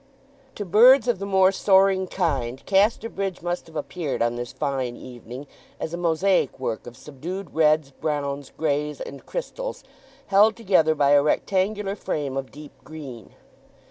To birds of the more soaring kind Casterbridge must have appeared on this fine evening as a mosaic work of subdued reds, browns, greys, and crystals, held together by a rectangular frame of deep green.